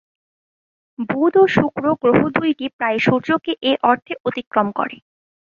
বুধ ও শুক্র গ্রহ দুইটি প্রায়ই সূর্যকে এ অর্থে "অতিক্রম" করে।